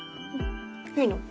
いいの？